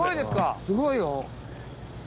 すごいよ！